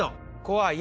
怖い。